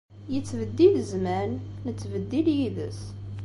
Yettbeddil zzman, nettbeddil yid-s.